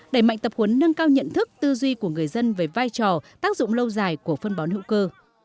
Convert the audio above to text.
đẩy mạnh tập huấn nâng cao nhận thức tư duy của người dân về vai trò tác dụng lâu dài của phân bón hữu cơ